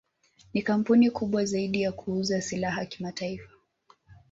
Ni kampuni kubwa zaidi ya kuuza silaha kimataifa.